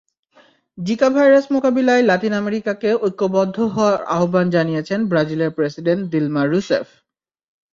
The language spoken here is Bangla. জিকা ভাইরাস মোকাবিলায় লাতিন আমেরিকাকে ঐক্যবদ্ধ হওয়ার আহ্বান জানিয়েছেন ব্রাজিলের প্রেসিডেন্ট দিলমা রুসেফ।